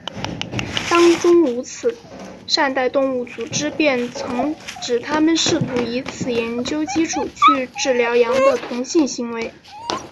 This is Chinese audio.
当中如善待动物组织便曾指它们试图以此研究基础去治疗羊的同性行为。